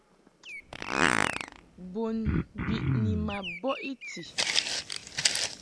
Bun biʼni ma bɔʼ i ti.